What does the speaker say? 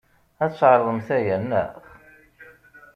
Ad tɛeḍemt aya, naɣ?